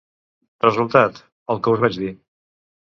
Resultat: el que us vaig dir.